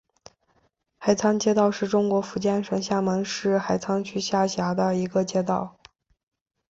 海沧街道是中国福建省厦门市海沧区下辖的一个街道。